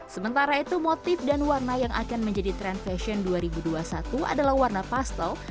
sementara itu motif dan warna yang akan menjadi tren fashion dua ribu dua puluh satu adalah warna pastel